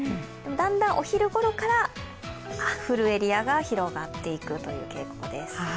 だんだんお昼頃から降るエリアが広がっていくという傾向です。